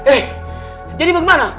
eh jadi bagaimana